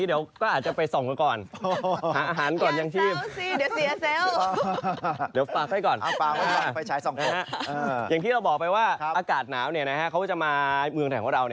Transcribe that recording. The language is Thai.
เดี๊ยวก่อนคุณคุณทำงานสนามบินหรือซ่องกบ